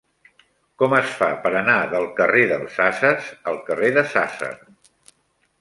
Com es fa per anar del carrer dels Ases al carrer de Sàsser?